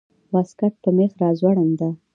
واسکټ په مېخ راځوړند ده